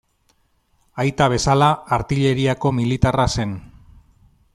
Aita bezala, Artilleriako militarra zen.